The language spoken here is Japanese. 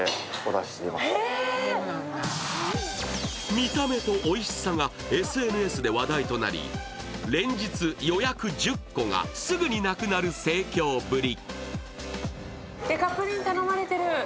見た目とおいしさがＳＮＳで話題となり、連日、予約１０個がすぐになくなる盛況ぶり。